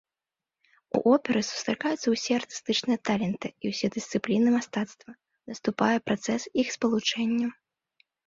У оперы сустракаюцца ўсе артыстычныя таленты і ўсе дысцыпліны мастацтва, наступае працэс іх спалучэння.